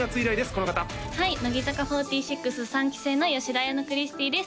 この方はい乃木坂４６３期生の吉田綾乃クリスティーです